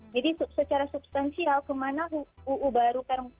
jadi secara substansial kemana uu baru